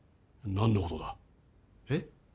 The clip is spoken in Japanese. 何のことだ？えっ？